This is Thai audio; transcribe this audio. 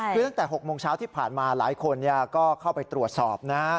คือตั้งแต่๖โมงเช้าที่ผ่านมาหลายคนก็เข้าไปตรวจสอบนะฮะ